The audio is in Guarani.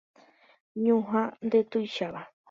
Ñuhã ndetuicháva.